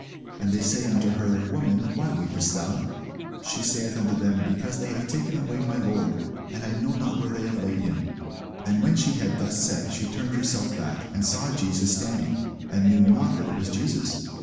And they say unto her, Woman, why weepest thou? She saith unto them, Because they have taken away my Lord, and I know not where they have laid him. And when she had thus said, she turned herself back, and saw Jesus standing, and knew not that it was Jesus.